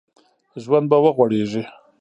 ژوند به وغوړېږي